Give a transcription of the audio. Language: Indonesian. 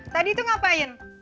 tadi itu ngapain